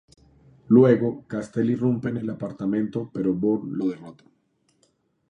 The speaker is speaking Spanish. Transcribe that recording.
Luego, Castel irrumpe en el apartamento, pero Bourne lo derrota.